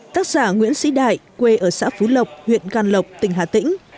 tác giả nguyễn sĩ đại quê ở xã phú lộc huyện can lộc tỉnh hà tĩnh